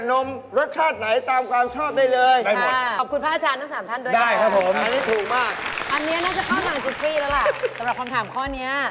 สำหรับคำถามเค้านี้